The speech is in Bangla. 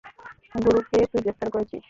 গুরুকে তুই গ্রেফতার করেছিস।